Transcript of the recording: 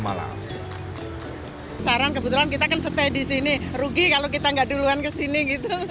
sekarang kebetulan kita kan stay di sini rugi kalau kita nggak duluan kesini gitu